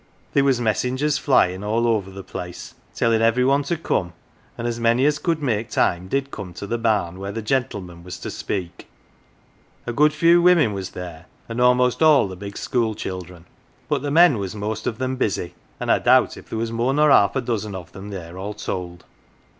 There was messengers flyin' all over the place, tellin' every one to come, and as many as could make time did come to the barn where the gentle 112 POLITICS man was to speak. A good few women was there, and almost all the big school children, but the men was most of them busy, and I doubt if there was more nor half a do/en of them there, all told.